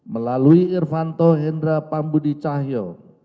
melalui irvanto hendra pambudicahyo